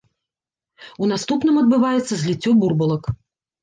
У наступным адбываецца зліццё бурбалак.